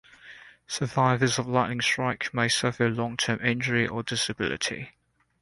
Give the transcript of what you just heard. Survivors of lightning strike may suffer long term injury or disability.